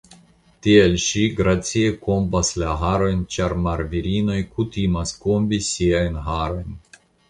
Tial ŝi gracie kombas la harojn, ĉar marvirinoj kutimas kombi siajn harojn